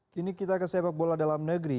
kini kita ke sepak bola dalam negeri